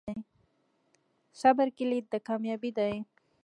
صبر کلید د کامیابۍ دی.